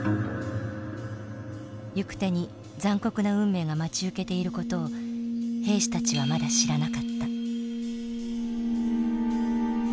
行く手に残酷な運命が待ち受けていることを兵士たちはまだ知らなかった。